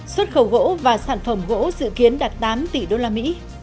xuất khẩu gỗ và sản phẩm gỗ dự kiến đạt tám tỷ usd